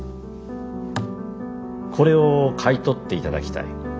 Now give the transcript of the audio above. これを買い取っていただきたい。